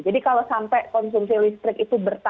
jadi kalau sampai konsumsi listrik itu bertahap